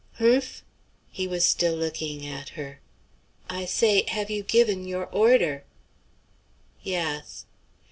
"Humph?" He was still looking at her. "I say, have you given your order?" "Yass."